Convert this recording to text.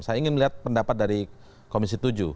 saya ingin melihat pendapat dari komisi tujuh